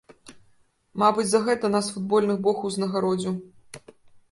Мабыць, за гэта нас футбольны бог узнагародзіў.